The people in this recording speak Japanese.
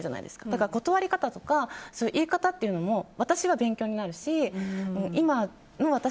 だから断り方とか言い方っていうのも私は勉強になるし今の私。